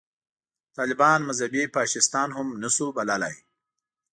طالبان مذهبي فاشیستان هم نه شو بللای.